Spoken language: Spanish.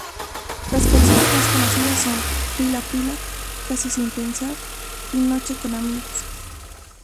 Las Canciones más conocidas son: "Pila Pila", "Casi Sin Pensar" y "Noche Con Amigos".